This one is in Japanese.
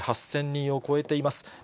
８０００人を超えています。